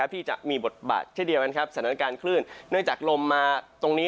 ที่จะมีบทบาทเฉยเดียวสถานการณ์ขึ้นเนื่องจากลมมาตรงนี้